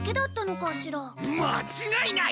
間違いない！